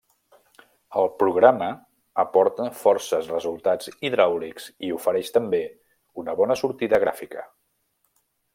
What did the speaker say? El programa aporta forces resultats hidràulics i ofereix també una bona sortida gràfica.